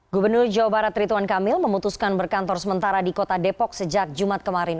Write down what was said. gubernur jawa barat rituan kamil memutuskan berkantor sementara di kota depok sejak jumat kemarin